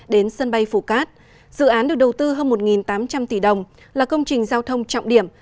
đến sân bay phú cát dự án được đầu tư hơn một tám trăm linh tỷ đồng là công trình giao thông trọng điểm